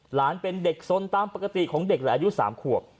หลานเป็นเด็กสนตามปกติของเด็กและอายุ๓ขวบ